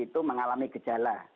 itu mengalami gejala